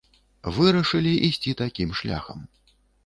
Вырашылі ісці такім шляхам.